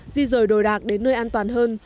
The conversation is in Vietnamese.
di rời đồi đạc đến nơi an toàn hơn